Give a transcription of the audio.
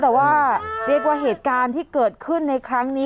แต่ว่าเรียกว่าเหตุการณ์ที่เกิดขึ้นในครั้งนี้